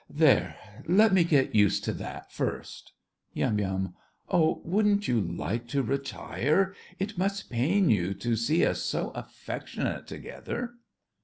There; let me get used to that first. YUM. Oh, wouldn't you like to retire? It must pain you to see us so affectionate together!